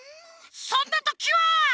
そんなときは！